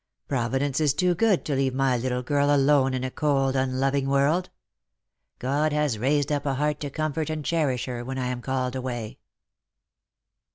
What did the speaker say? Providence is too good to leave my little girl alone in a cold unloving world. God has raised up a heart to comfort and cherish her when I am called away."